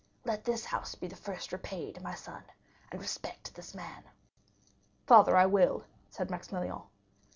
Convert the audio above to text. Let this house be the first repaid, my son, and respect this man." "Father, I will," said Maximilian.